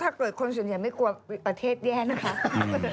ถ้าเกิดคนส่วนใหญ่ไม่กลัวประเทศแย่นะครับ